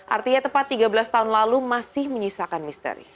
artinya tepat tiga belas tahun lalu masih menyisakan misteri